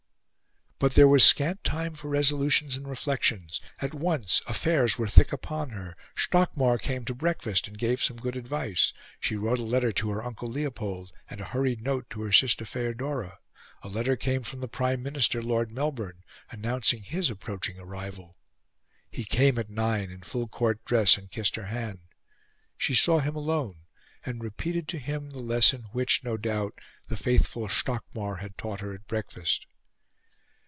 But there was scant time for resolutions and reflections. At once, affairs were thick upon her. Stockmar came to breakfast, and gave some good advice. She wrote a letter to her uncle Leopold, and a hurried note to her sister Feodora. A letter came from the Prime Minister, Lord Melbourne, announcing his approaching arrival. He came at nine, in full court dress, and kissed her hand. She saw him alone, and repeated to him the lesson which, no doubt, the faithful Stockmar had taught her at breakfast.